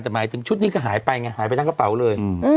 แต่หมายถึงชุดนี้ก็หายไปไงหายไปทั้งกระเป๋าเลย